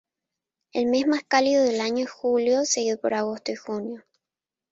El mes más cálido del año es julio, seguido por agosto y junio.